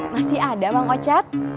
masih ada bang ocat